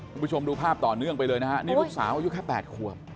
คุณผู้ชมดูภาพต่อเนื่องไปเลยนะฮะนี่ลูกสาวอายุแค่๘ขวบ